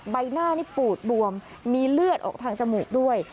ใบหน้านี่ปูดบวมมีเลือดออกทางจมูกด้วย